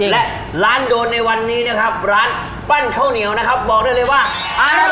และร้านโดนในวันนี้นะครับร้านปั้นข้าวเหนียวนะครับบอกได้เลยว่าอร่อย